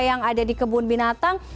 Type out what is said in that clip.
yang ada di kebun binatang